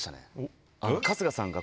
春日さんが。